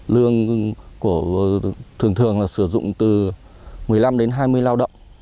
lương của thường thường là sử dụng từ một mươi năm đến hai mươi lao động